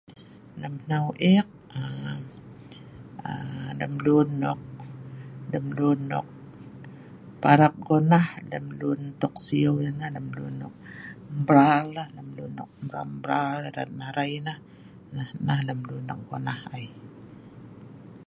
Lem nnau eek um um lem luen nok lem luen nok parap gunah lem luen tok sieu yeh nah lem luen, lem mbraal lah lem luen nok mbraal-mbraal erat nah arai nah, nah lem luen nok guna ai